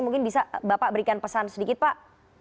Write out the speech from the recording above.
mungkin bisa bapak berikan pesan sedikit pak